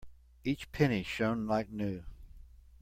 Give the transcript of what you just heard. Each penny shone like new.